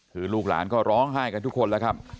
คือลูกหลานก็ร้องไห้กันทุกคนแล้วครับ